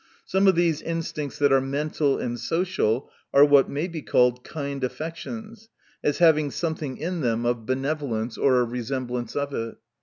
Some of these instincts that are mental and social, are what may be called kind affections ; as having something in them of benevolence, or a resemblance of it.